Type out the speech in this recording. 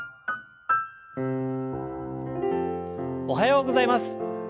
おはようございます。